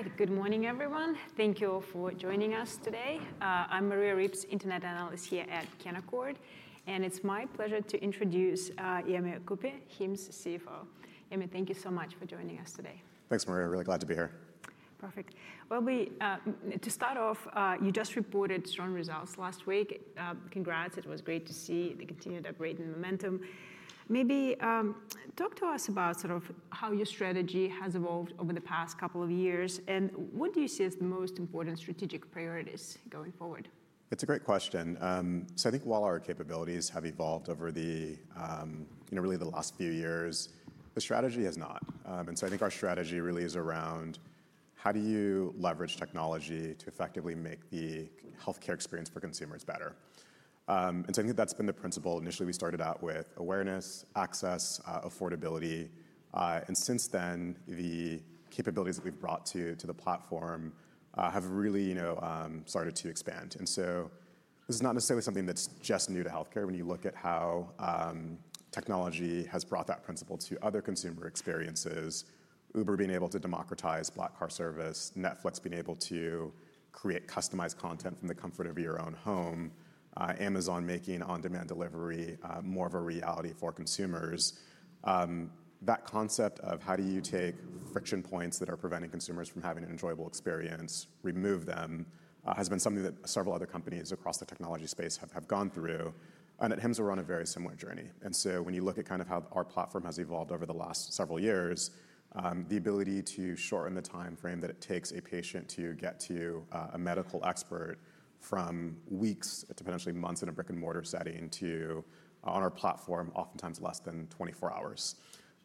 All right, good morning everyone. Thank you all for joining us today. I'm Maria Ripps, Internet Analyst here at Canaccord, and it's my pleasure to introduce Yemi Okupe, Hims CFO. Yemi, thank you so much for joining us today. Thanks, Maria. Really glad to be here. Perfect. To start off, you just reported strong results last week. Congrats, it was great to see the continued upgrade in momentum. Maybe talk to us about sort of how your strategy has evolved over the past couple of years, and what do you see as the most important strategic priorities going forward? That's a great question. I think while our capabilities have evolved over the last few years, the strategy has not. I think our strategy really is around how do you leverage technology to effectively make the healthcare experience for consumers better. I think that's been the principle. Initially, we started out with awareness, access, affordability, and since then the capabilities that we've brought to the platform have really started to expand. This is not necessarily something that's just new to healthcare. When you look at how technology has brought that principle to other consumer experiences, Uber being able to democratize black car service, Netflix being able to create customized content from the comfort of your own home, Amazon making on-demand delivery more of a reality for consumers. That concept of how do you take friction points that are preventing consumers from having an enjoyable experience, remove them, has been something that several other companies across the technology space have gone through, and at Hims we're on a very similar journey. When you look at how our platform has evolved over the last several years, the ability to shorten the timeframe that it takes a patient to get to a medical expert from weeks to potentially months in a brick-and-mortar setting to on our platform, oftentimes less than 24 hours.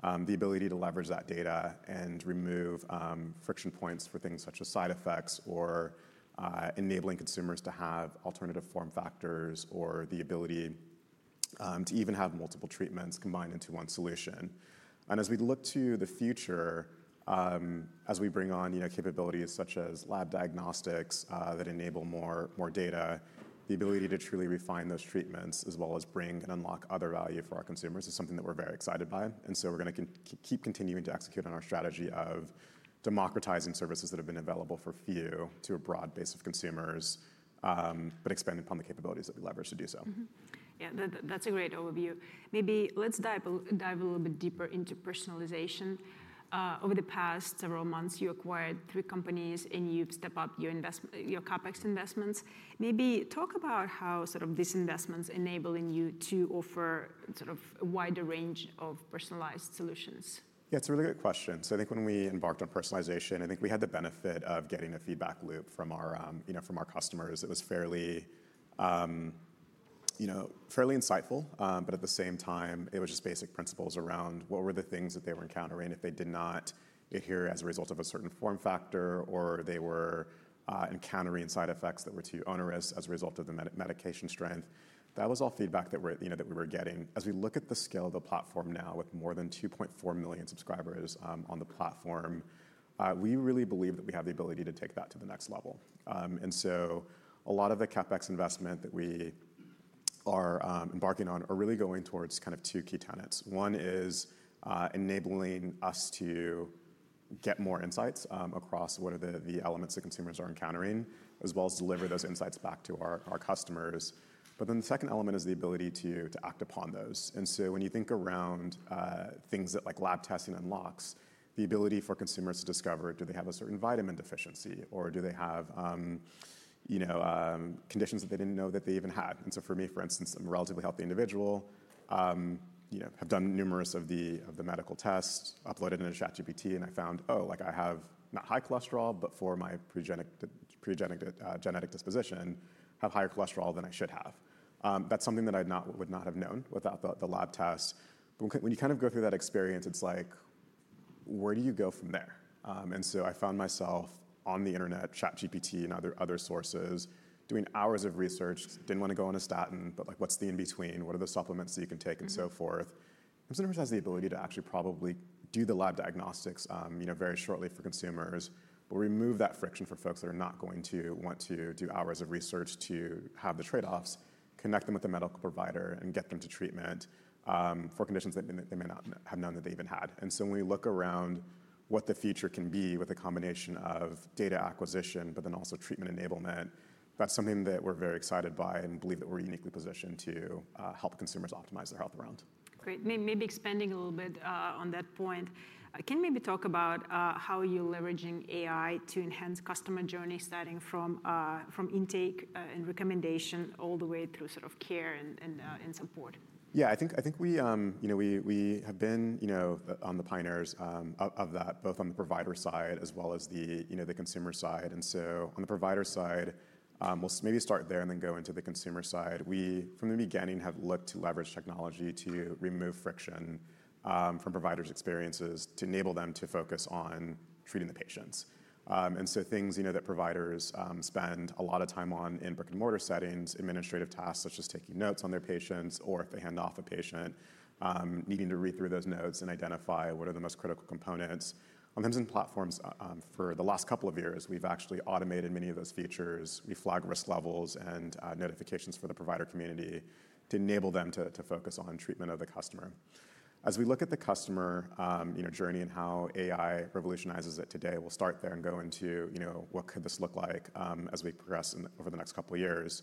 The ability to leverage that data and remove friction points for things such as side effects or enabling consumers to have alternative form factors or the ability to even have multiple treatments combined into one solution. As we look to the future, as we bring on capabilities such as lab diagnostics that enable more data, the ability to truly refine those treatments as well as bring and unlock other value for our consumers is something that we're very excited by. We're going to keep continuing to execute on our strategy of democratizing services that have been available for few to a broad base of consumers, but expanding upon the capabilities that we leverage to do so. Yeah, that's a great overview. Maybe let's dive a little bit deeper into personalization. Over the past several months, you acquired three companies and you've stepped up your CapEx investments. Maybe talk about how these investments enable you to offer a wider range of personalized solutions. Yeah, it's a really good question. I think when we embarked on personalization, we had the benefit of getting a feedback loop from our customers. It was fairly insightful, but at the same time, it was just basic principles around what were the things that they were encountering if they did not adhere as a result of a certain form factor or they were encountering side effects that were too onerous as a result of the medication strength. That was all feedback that we were getting. As we look at the scale of the platform now with more than 2.4 million subscribers on the platform, we really believe that we have the ability to take that to the next level. A lot of the CapEx investment that we are embarking on is really going towards two key tenets. One is enabling us to get more insights across what are the elements that consumers are encountering, as well as deliver those insights back to our customers. The second element is the ability to act upon those. When you think around things that lab testing unlocks, the ability for consumers to discover if they have a certain vitamin deficiency or if they have conditions that they didn't know that they even had. For me, for instance, I'm a relatively healthy individual, have done numerous medical tests, uploaded into ChatGPT, and I found, oh, I have not high cholesterol, but for my pre-genetic disposition, I have higher cholesterol than I should have. That's something that I would not have known without the lab tests. When you go through that experience, it's like, where do you go from there? I found myself on the internet, ChatGPT, and other sources, doing hours of research. Didn't want to go on a statin, but what's the in-between? What are the supplements that you can take and so forth? It has the ability to actually probably do the lab diagnostics very shortly for consumers, but remove that friction for folks that are not going to want to do hours of research to have the trade-offs, connect them with a medical provider, and get them to treatment for conditions that they may not have known that they even had. When we look around what the future can be with a combination of data acquisition, but then also treatment enablement, that's something that we're very excited by and believe that we're uniquely positioned to help consumers optimize their health around. Great. Maybe expanding a little bit on that point, can you maybe talk about how you're leveraging AI to enhance customer journeys, starting from intake and recommendation all the way through sort of care and support? Yeah, I think we have been on the pioneers of that, both on the provider side as well as the consumer side. On the provider side, we'll maybe start there and then go into the consumer side. We, from the beginning, have looked to leverage technology to remove friction from providers' experiences to enable them to focus on treating the patients. Things that providers spend a lot of time on in brick-and-mortar settings, administrative tasks such as taking notes on their patients or if they hand off a patient, needing to read through those notes and identify what are the most critical components. On Hims and platforms for the last couple of years, we've actually automated many of those features. We flag risk levels and notifications for the provider community to enable them to focus on treatment of the customer. As we look at the customer journey and how AI revolutionizes it today, we'll start there and go into what could this look like as we progress over the next couple of years.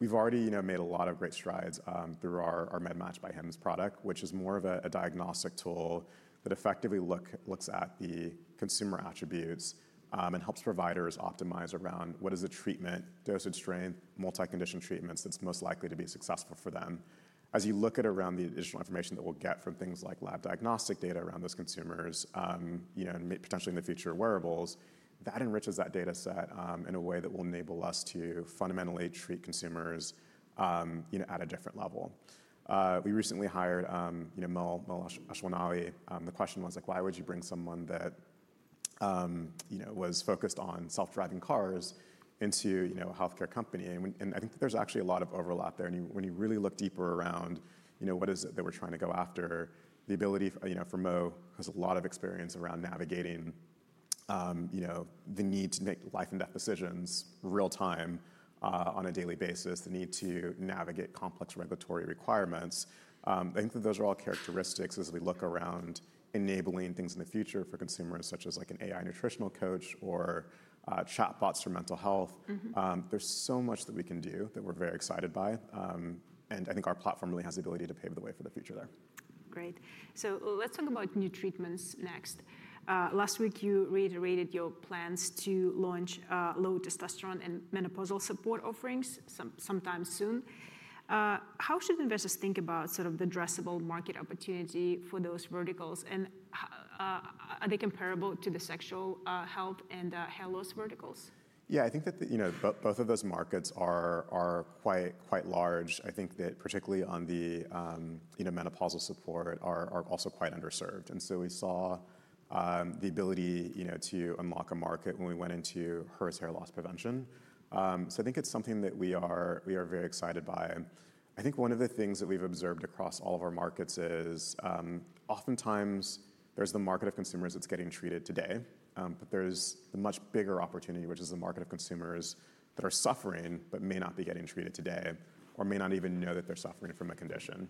We've already made a lot of great strides through our MedMatch by Hims product, which is more of a diagnostic tool that effectively looks at the consumer attributes and helps providers optimize around what is the treatment, dosage strength, multi-condition treatments that's most likely to be successful for them. As you look at around the additional information that we'll get from things like lab diagnostic data around those consumers, and potentially in the future wearables, that enriches that data set in a way that will enable us to fundamentally treat consumers at a different level. We recently hired Mo Elshenawy. The question was like, why would you bring someone that was focused on self-driving cars into a healthcare company? I think that there's actually a lot of overlap there. When you really look deeper around what is it that we're trying to go after, the ability for Mo has a lot of experience around navigating the need to make life and death decisions real time on a daily basis, the need to navigate complex regulatory requirements. I think that those are all characteristics as we look around enabling things in the future for consumers such as like an AI nutritional coach or chatbots for mental health. There's so much that we can do that we're very excited by. I think our platform really has the ability to pave the way for the future there. Great. Let's talk about new treatments next. Last week, you reiterated your plans to launch low testosterone and menopause treatments sometime soon. How should investors think about the addressable market opportunity for those verticals? Are they comparable to the sexual health and hair loss verticals? Yeah, I think that both of those markets are quite large. I think that particularly on the menopausal support are also quite underserved. We saw the ability to unlock a market when we went into Hers hair loss prevention. I think it's something that we are very excited by. One of the things that we've observed across all of our markets is oftentimes there's the market of consumers that's getting treated today, but there's a much bigger opportunity, which is the market of consumers that are suffering but may not be getting treated today or may not even know that they're suffering from the condition.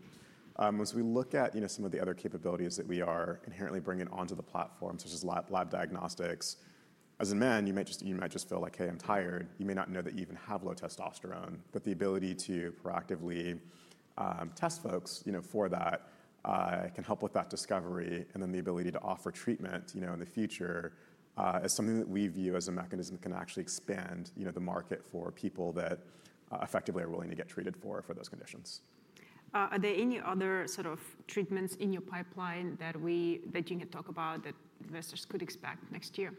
As we look at some of the other capabilities that we are inherently bringing onto the platform, such as lab diagnostics, as in men, you might just feel like, hey, I'm tired. You may not know that you even have low testosterone. The ability to proactively test folks for that can help with that discovery. The ability to offer treatment in the future is something that we view as a mechanism that can actually expand the market for people that effectively are willing to get treated for those conditions. Are there any other sort of treatments in your pipeline that you can talk about that investors could expect next year?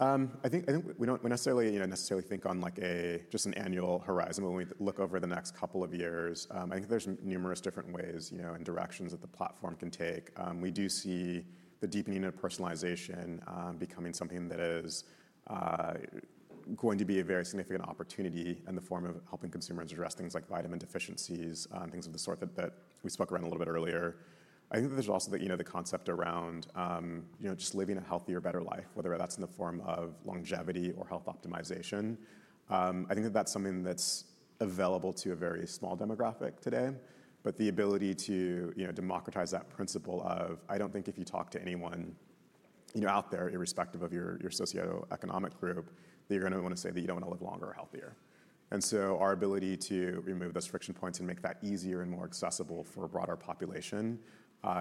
I think we don't necessarily think on like a just an annual horizon. When we look over the next couple of years, I think there's numerous different ways and directions that the platform can take. We do see the deepening of personalization becoming something that is going to be a very significant opportunity in the form of helping consumers address things like vitamin deficiencies and things of the sort that we spoke around a little bit earlier. I think there's also the concept around just living a healthier, better life, whether that's in the form of longevity or health optimization. I think that that's something that's available to a very small demographic today. The ability to democratize that principle of, I don't think if you talk to anyone out there, irrespective of your socioeconomic group, that you're going to want to say that you don't want to live longer or healthier. Our ability to remove those friction points and make that easier and more accessible for a broader population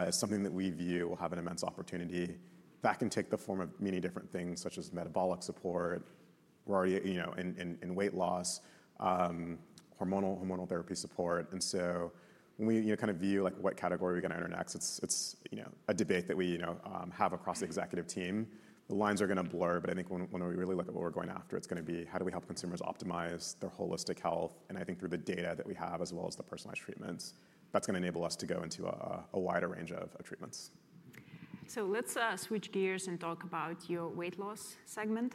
is something that we view will have an immense opportunity. That can take the form of many different things, such as metabolic support. We're already in weight loss, hormonal therapy support. When we kind of view like what category we're going to enter next, it's a debate that we have across the executive team. The lines are going to blur, but I think when we really look at what we're going after, it's going to be how do we help consumers optimize their holistic health. I think through the data that we have, as well as the personalized treatments, that's going to enable us to go into a wider range of treatments. Let's switch gears and talk about your weight loss segment.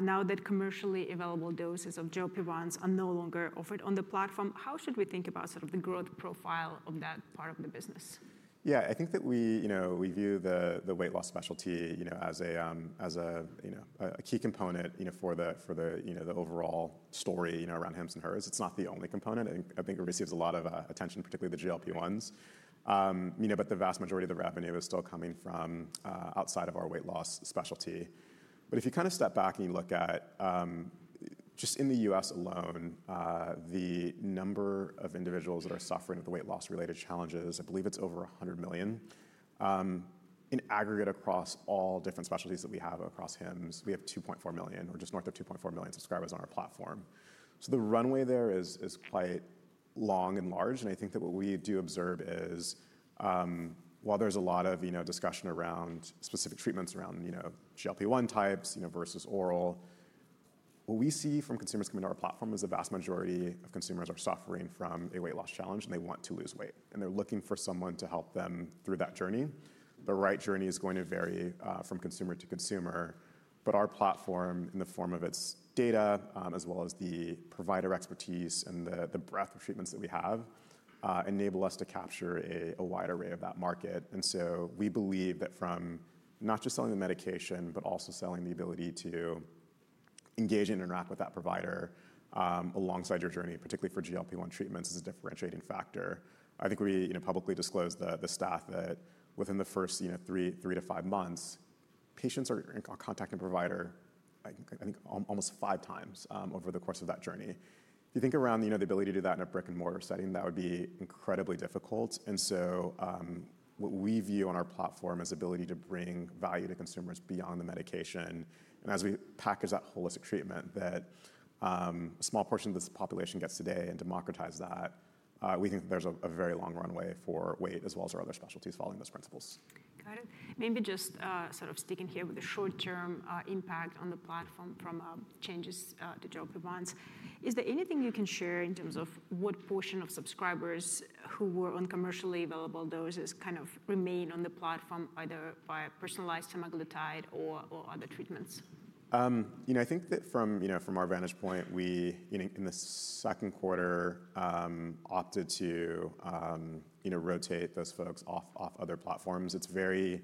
Now that commercially available doses of semaglutide are no longer offered on the platform, how should we think about sort of the growth profile of that part of the business? Yeah, I think that we view the weight loss specialty as a key component for the overall story around Hims & Hers. It's not the only component. I think it receives a lot of attention, particularly the GLP-1s. The vast majority of the revenue is still coming from outside of our weight loss specialty. If you kind of step back and you look at just in the U.S. alone, the number of individuals that are suffering with weight loss-related challenges, I believe it's over 100 million. In aggregate across all different specialties that we have across Hims, we have 2.4 million or just north of 2.4 million subscribers on our platform. The runway there is quite long and large. I think that what we do observe is while there's a lot of discussion around specific treatments around GLP-1 types versus oral, what we see from consumers coming to our platform is the vast majority of consumers are suffering from a weight loss challenge and they want to lose weight. They're looking for someone to help them through that journey. The right journey is going to vary from consumer to consumer. Our platform, in the form of its data, as well as the provider expertise and the breadth of treatments that we have, enable us to capture a wide array of that market. We believe that from not just selling the medication, but also selling the ability to engage and interact with that provider alongside your journey, particularly for GLP-1 treatments, is a differentiating factor. I think we publicly disclosed the stats that within the first three to five months, patients are contacting a provider almost five times over the course of that journey. If you think around the ability to do that in a brick-and-mortar setting, that would be incredibly difficult. What we view on our platform is the ability to bring value to consumers beyond the medication. As we package that holistic treatment that a small portion of this population gets today and democratize that, we think that there's a very long runway for weight as well as our other specialties following those principles. Got it. Maybe just sort of sticking here with the short-term impact on the platform from changes to Zepbound, is there anything you can share in terms of what portion of subscribers who were on commercially available doses kind of remain on the platform either by personalized semaglutide or other treatments? I think that from our vantage point, we in the second quarter opted to rotate those folks off other platforms. It's very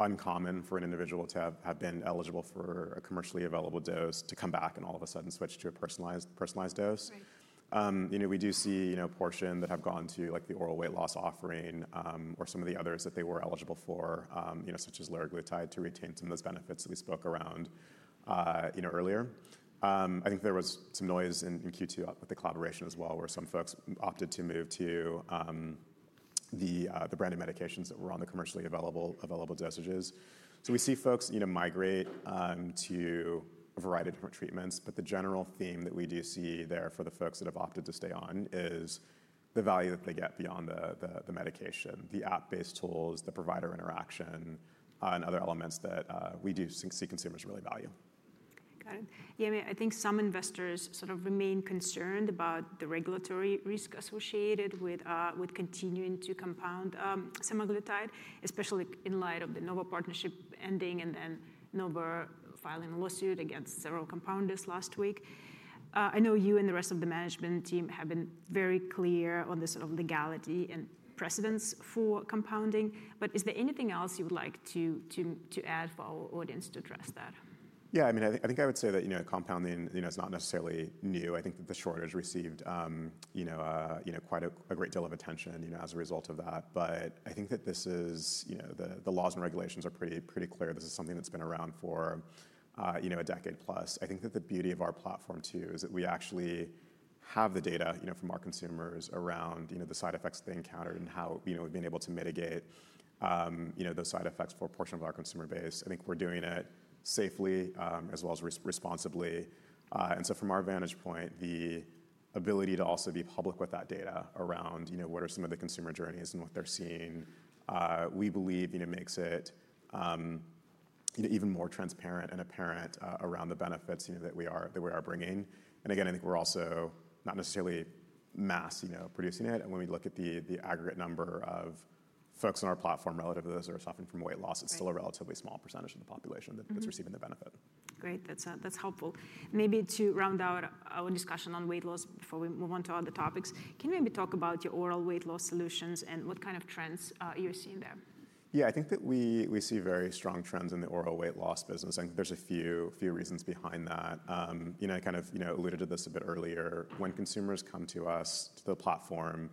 uncommon for an individual to have been eligible for a commercially available dose to come back and all of a sudden switch to a personalized dose. We do see a portion that have gone to the oral weight loss offering or some of the others that they were eligible for, such as liraglutide, to retain some of those benefits that we spoke around earlier. I think there was some noise in Q2 with the collaboration as well where some folks opted to move to the branded medications that were on the commercially available dosages. We see folks migrate to a variety of different treatments, but the general theme that we do see there for the folks that have opted to stay on is the value that they get beyond the medication, the app-based tools, the provider interaction, and other elements that we do see consumers really value. Got it. Yemi, I think some investors sort of remain concerned about the regulatory risk associated with continuing to compound semaglutide, especially in light of the Novo Nordisk partnership ending and then Novo Nordisk filing a lawsuit against several compounders last week. I know you and the rest of the management team have been very clear on this legality and precedence for compounding, but is there anything else you would like to add for our audience to address that? Yeah, I mean, I think I would say that compounding is not necessarily new. I think that the shortage received quite a great deal of attention as a result of that. I think that the laws and regulations are pretty clear. This is something that's been around for a decade plus. I think that the beauty of our platform too is that we actually have the data from our consumers around the side effects that they encountered and how we've been able to mitigate those side effects for a portion of our consumer base. I think we're doing it safely as well as responsibly. From our vantage point, the ability to also be public with that data around what are some of the consumer journeys and what they're seeing, we believe, makes it even more transparent and apparent around the benefits that we are bringing. I think we're also not necessarily mass producing it. When we look at the aggregate number of folks on our platform relative to those that are suffering from weight loss, it's still a relatively small percentage of the population that's receiving the benefit. Great. That's helpful. Maybe to round out our discussion on weight loss before we move on to other topics, can you maybe talk about your oral weight loss solutions and what kind of trends you're seeing there? Yeah, I think that we see very strong trends in the oral weight loss business. I think there's a few reasons behind that. I kind of alluded to this a bit earlier. When consumers come to us, to the platform,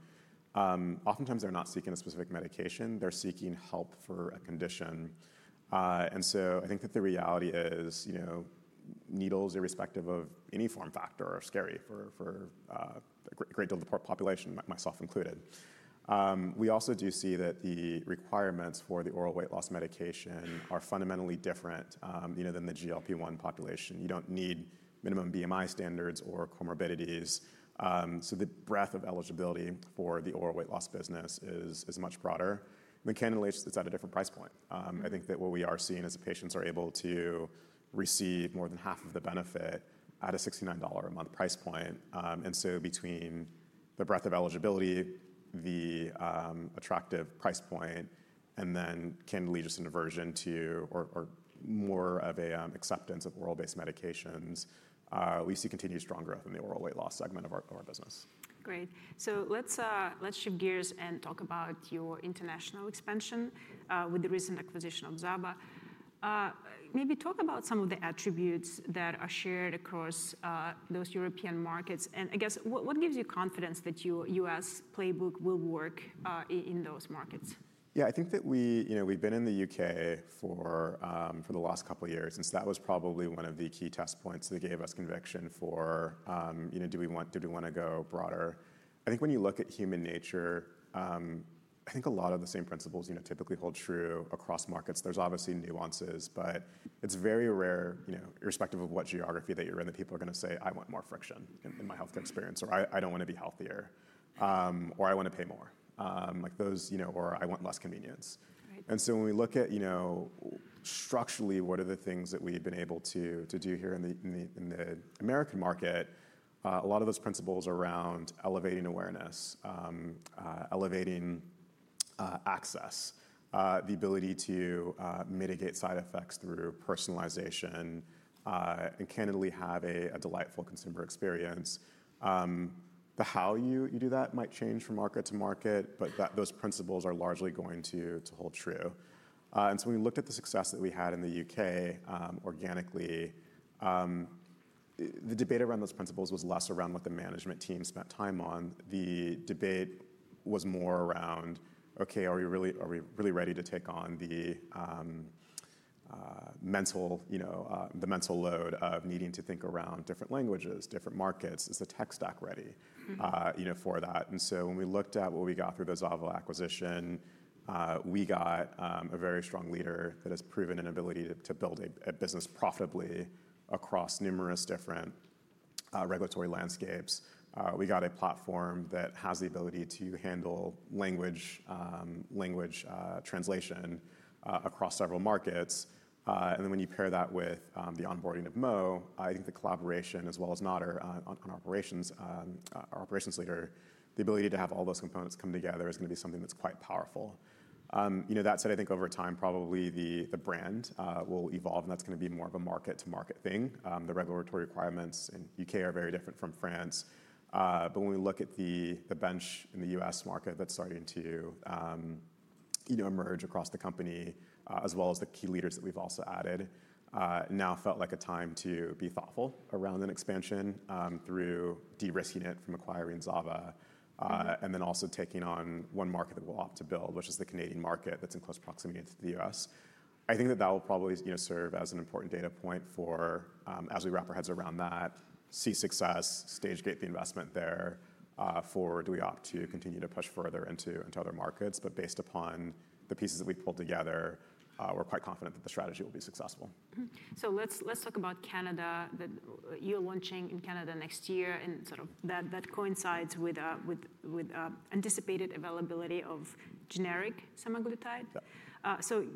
oftentimes they're not seeking a specific medication. They're seeking help for a condition. I think that the reality is, needles, irrespective of any form factor, are scary for a great deal of the population, myself included. We also do see that the requirements for the oral weight loss medication are fundamentally different than the GLP-1 population. You don't need minimum BMI standards or comorbidities. The breadth of eligibility for the oral weight loss business is much broader. It's at a different price point. I think that what we are seeing is that patients are able to receive more than half of the benefit at a $69 a month price point. Between the breadth of eligibility, the attractive price point, and more of an acceptance of oral-based medications, we see continued strong growth in the oral weight loss segment of our business. Great. Let's shift gears and talk about your international expansion with the recent acquisition of ZAVA. Maybe talk about some of the attributes that are shared across those European markets. I guess what gives you confidence that your U.S. playbook will work in those markets? Yeah, I think that we, you know, we've been in the U.K. for the last couple of years. That was probably one of the key test points that gave us conviction for, you know, do we want to go broader? I think when you look at human nature, I think a lot of the same principles, you know, typically hold true across markets. There's obviously nuances, but it's very rare, you know, irrespective of what geography that you're in, that people are going to say, I want more friction in my healthcare experience, or I don't want to be healthier, or I want to pay more, like those, you know, or I want less convenience. When we look at, you know, structurally, what are the things that we've been able to do here in the American market, a lot of those principles around elevating awareness, elevating access, the ability to mitigate side effects through personalization, and candidly have a delightful consumer experience. The how you do that might change from market to market, but those principles are largely going to hold true. When we looked at the success that we had in the U.K. organically, the debate around those principles was less around what the management team spent time on. The debate was more around, okay, are we really ready to take on the mental load of needing to think around different languages, different markets? Is the tech stack ready, you know, for that? When we looked at what we got through the ZAVA acquisition, we got a very strong leader that has proven an ability to build a business profitably across numerous different regulatory landscapes. We got a platform that has the ability to handle language translation across several markets. When you pair that with the onboarding of Mo, I think the collaboration as well as Nader on operations, our operations leader, the ability to have all those components come together is going to be something that's quite powerful. That said, I think over time, probably the brand will evolve, and that's going to be more of a market-to-market thing. The regulatory requirements in the U.K. are very different from France. When we look at the bench in the U.S. market that's starting to emerge across the company, as well as the key leaders that we've also added, now felt like a time to be thoughtful around an expansion through de-risking it from acquiring ZAVA, and then also taking on one market that we'll opt to build, which is the Canadian market that's in close proximity to the U.S. I think that will probably serve as an important data point for, as we wrap our heads around that, see success, stage gate the investment there for do we opt to continue to push further into other markets. Based upon the pieces that we've pulled together, we're quite confident that the strategy will be successful. Let's talk about Canada. You're launching in Canada next year, and that coincides with anticipated availability of generic semaglutide.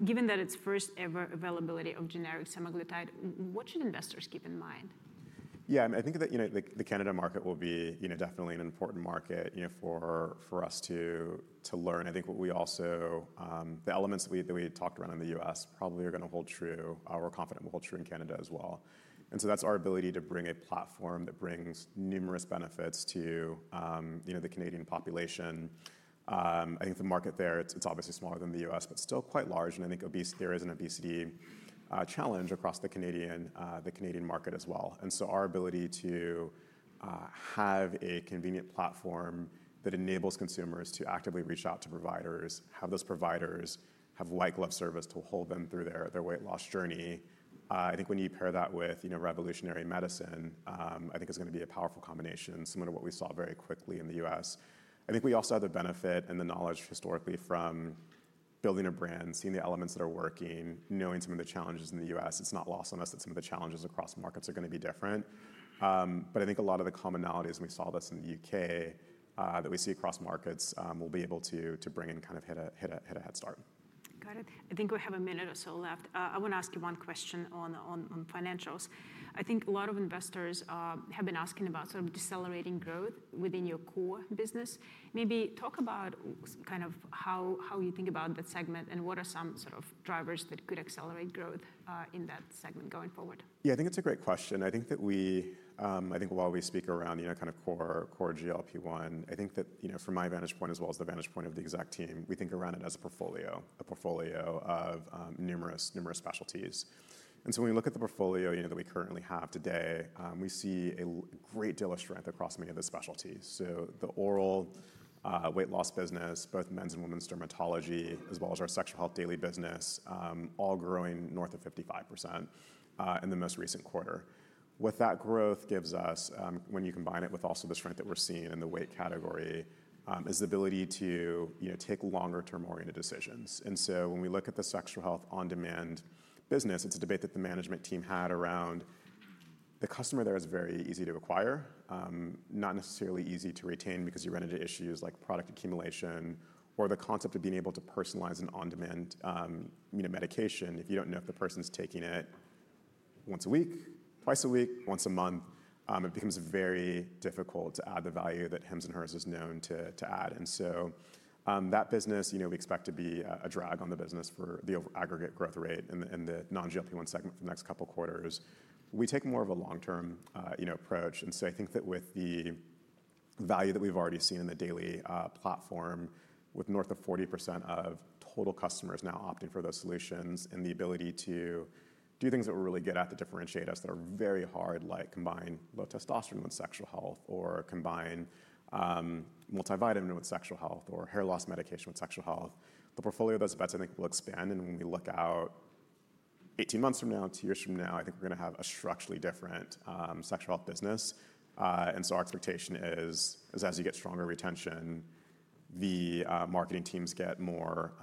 Given that it's first ever availability of generic semaglutide, what should investors keep in mind? Yeah, I think that the Canada market will be definitely an important market for us to learn. I think what we also, the elements that we talked around in the U.S. probably are going to hold true, we're confident will hold true in Canada as well. That's our ability to bring a platform that brings numerous benefits to the Canadian population. I think the market there, it's obviously smaller than the U.S., but still quite large. I think there is an obesity challenge across the Canadian market as well. Our ability to have a convenient platform that enables consumers to actively reach out to providers, have those providers have lifelong service to hold them through their weight loss journey. I think when you pair that with revolutionary medicine, I think it's going to be a powerful combination, similar to what we saw very quickly in the U.S. We also have the benefit and the knowledge historically from building a brand, seeing the elements that are working, knowing some of the challenges in the U.S. It's not lost on us that some of the challenges across markets are going to be different. I think a lot of the commonalities, and we saw this in the U.K., that we see across markets, we'll be able to bring and kind of hit a head start. Got it. I think we have a minute or so left. I want to ask you one question on financials. I think a lot of investors have been asking about sort of decelerating growth within your core business. Maybe talk about kind of how you think about that segment and what are some sort of drivers that could accelerate growth in that segment going forward. Yeah, I think it's a great question. I think that while we speak around, you know, kind of core GLP-1, from my vantage point as well as the vantage point of the exec team, we think around it as a portfolio, a portfolio of numerous, numerous specialties. When we look at the portfolio that we currently have today, we see a great deal of strength across many of the specialties. The oral weight loss business, both men's and women's dermatology, as well as our sexual health daily business, are all growing north of 55% in the most recent quarter. What that growth gives us, when you combine it with also the strength that we're seeing in the weight category, is the ability to take longer-term oriented decisions. When we look at the sexual health on-demand business, it's a debate that the management team had around the customer there. It is very easy to acquire, not necessarily easy to retain because you run into issues like product accumulation or the concept of being able to personalize an on-demand medication. If you don't know if the person's taking it once a week, twice a week, once a month, it becomes very difficult to add the value that Hims & Hers is known to add. That business, we expect to be a drag on the business for the aggregate growth rate in the non-GLP-1 segment for the next couple of quarters. We take more of a long-term approach. I think that with the value that we've already seen in the daily platform, with north of 40% of total customers now opting for those solutions and the ability to do things that we're really good at to differentiate us that are very hard, like combine low testosterone with sexual health or combine multivitamin with sexual health or hair loss medication with sexual health, the portfolio of those bets I think will expand. When we look out 18 months from now, two years from now, I think we're going to have a structurally different sexual health business. Our expectation is as you get stronger retention, the marketing teams get more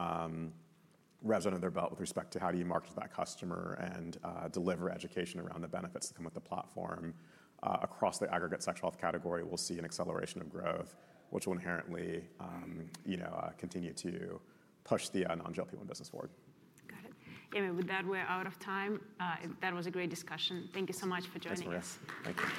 resin on their belt with respect to how do you market to that customer and deliver education around the benefits that come with the platform. Across the aggregate sexual health category, we'll see an acceleration of growth, which will inherently continue to push the non-GLP-1 business forward. Got it. Yemi, with that, we're out of time. That was a great discussion. Thank you so much for joining us. Thanks, Maria. Thank you.